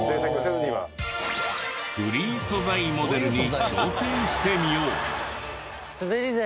フリー素材モデルに挑戦してみよう！